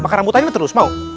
makan rambutannya terus mau